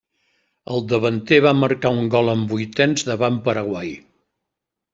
El davanter va marcar un gol en vuitens davant Paraguai.